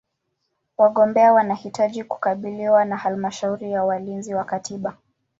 Wagombea wanahitaji kukubaliwa na Halmashauri ya Walinzi wa Katiba.